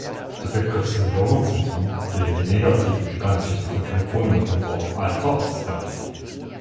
Der Begriff "Seniorenzentrum" will hier negativen gedanklichen Verknüpfungen mit dem Wort „Alter“ ausweichen.